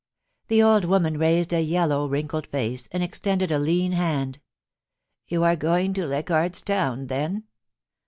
The old woman raised a yellow, wrinkled face, and ex tended a lean hand * You are going to Leichardt's Town, then.